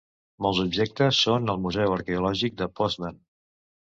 Molts objectes són al Museu Arqueològic de Poznan.